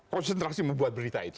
konsentrasi membuat berita itu